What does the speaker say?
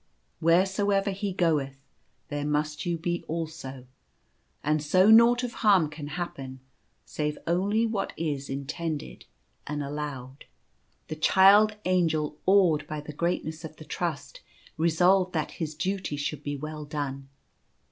Wheresoever he goeth, there must you be also ; and so naught of harm can happen — save only what \s in tended and allowed." The Child Angel, awed by the greatness of the trust, resolved that his duty should be well done.